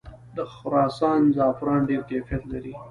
د خراسان زعفران ډیر کیفیت لري.